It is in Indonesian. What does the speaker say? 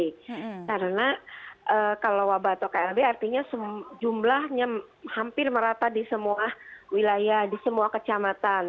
karena kalau wabah atau klb artinya jumlahnya hampir merata di semua wilayah di semua kecamatan